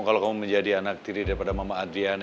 kalau kamu menjadi anak tiri daripada mama adrian